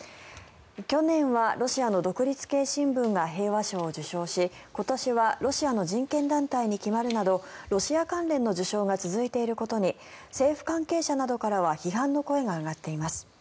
去年はロシアの独立系新聞が平和賞を受賞し今年はロシアの人権団体に決まるなどロシア関連の受賞が続いていることに政府関係者などからは批判の声が上がっています。